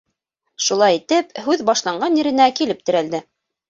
Шулай итеп, һүҙ башланған еренә килеп терәлде.